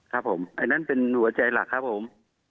ครับผมอันนั้นเป็นหัวใจหลักครับผม